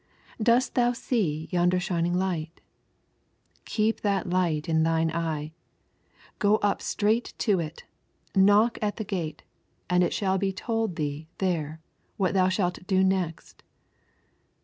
Dost thou see yonder shining light? Keep that light in thine eye. Go up straight to it, knock at the gate, and it shall be told thee there what thou shalt do next.